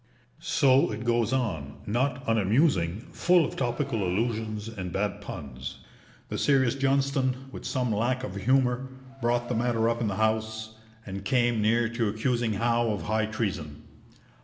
So it goes on, not unamusing, full of topical allusions and bad puns. The serious Johnston, with some lack of humour, brought the matter up in the House, and came near to accusing Howe of High Treason.